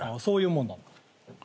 そういうもんなの？